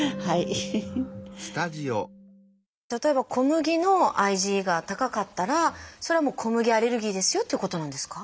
例えば小麦のＩｇＥが高かったらそれはもう小麦アレルギーですよっていうことなんですか？